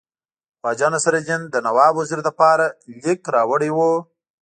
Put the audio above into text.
خواجه نصیرالدین د نواب وزیر لپاره لیک راوړی وو.